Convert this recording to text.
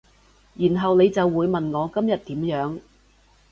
然後你就會問我今日點樣